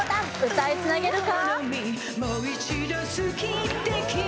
歌いつなげるか？